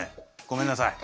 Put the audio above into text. ごめんなさい。